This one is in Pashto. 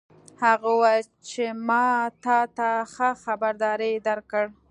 هغه وویل چې ما تا ته ښه خبرداری درکړ